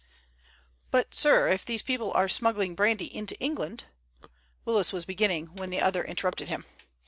"But, sir, if these people are smuggling brandy into England—" Willis was beginning when the other interrupted him.